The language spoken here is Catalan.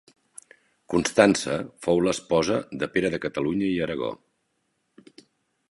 Constança fou l'esposa de Pere de Catalunya i Aragó.